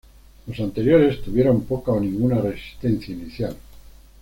Los anteriores tuvieron poca o ninguna resistencia inicial.